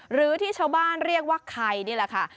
หรือที่ชาวบ้านเรียกว่าไข่นี่แหละค่ะ